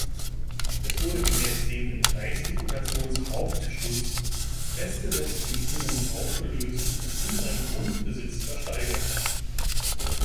Es wurde gemäß den im Reichsdeputationshauptschluss festgesetzten Bestimmungen aufgelöst und sein Grundbesitz versteigert.